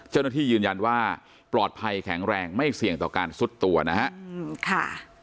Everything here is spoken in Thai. เจ้าหน้าที่ยืนยันว่าปลอดภัยแข็งแรงไม่เสี่ยงต่อการซุดตัวนะฮะ